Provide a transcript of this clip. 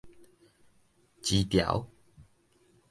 薯條